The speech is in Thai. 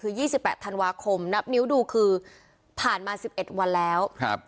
คือยี่สิบแปดธันวาคมนับนิ้วดูคือผ่านมาสิบเอ็ดวันแล้วครับ